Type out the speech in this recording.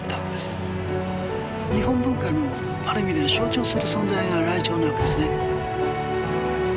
日本文化をある意味では象徴する存在がライチョウなわけですね。